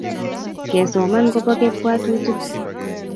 kesoman kopo kepwatutaik